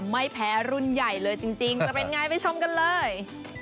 ไม่แพ้รุ่นใหญ่เลยจริงจะเป็นไงไปชมกันเลย